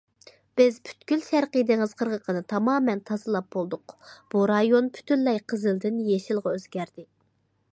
بىز پۈتكۈل شەرقىي دېڭىز قىرغىقىنى تامامەن تازىلاپ بولدۇق، بۇ رايون پۈتۈنلەي قىزىلدىن يېشىلغا ئۆزگەردى.